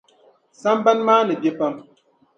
Sambani maa ni be pam.